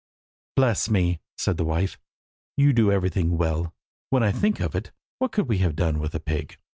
"Bless me," said the wife, "you do everything well! When I think of it, what could we have done with a pig?